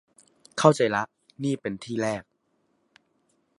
เข้าใจล่ะ นี่เป็นที่แรก